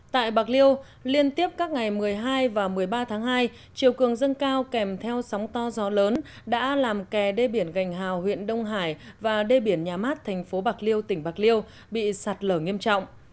tại bạc liêu liên tiếp các ngày một mươi hai và một mươi ba tháng hai chiều cường dâng cao kèm theo sóng to gió lớn đã làm kè đê biển gành hào huyện đông hải và đê biển nhà mát thành phố bạc liêu tỉnh bạc liêu bị sạt lở nghiêm trọng